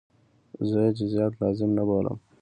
زه یې جزئیات لازم نه بولم.